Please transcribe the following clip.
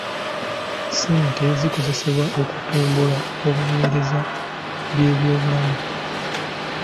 Ssente zikozesebwa okutumbula obuweereza bw'ebyobulamu.